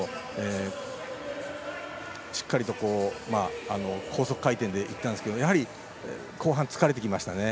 しっかりと高速回転でいったんですけどやはり、後半疲れてきましたね。